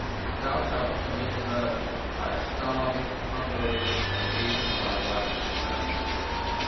Thou shalt commit murder, by starving, hungering, and beating thy wife and family.